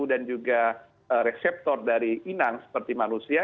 dan juga reseptor dari inang seperti manusia